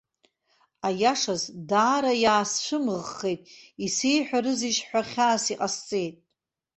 Аиашаз, даара иаасцәымыӷхеит, исеиҳәарызеишь ҳәа хьаас иҟасҵеит.